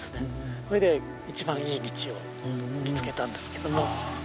それで一番いい道を見つけたんですけども。